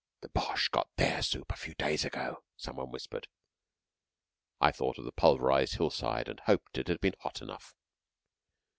"The Boches got their soup a few days ago," some one whispered. I thought of the pulverized hillside, and hoped it had been hot enough.